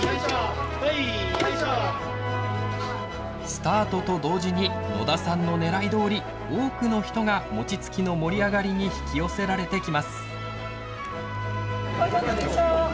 スタートと同時に野田さんのねらいどおり多くの人が餅つきの盛り上がりに引き寄せられて来ます。